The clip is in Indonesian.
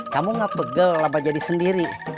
kamu gak pegel apa jadi sendiri